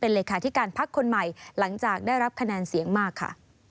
เลขาธิการพักคนใหม่หลังจากได้รับคะแนนเสียงมากค่ะ